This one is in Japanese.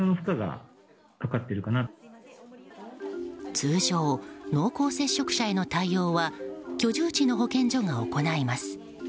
通常、濃厚接触者への対応は居住地の保健所が行います。